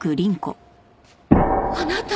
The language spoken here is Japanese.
あなた！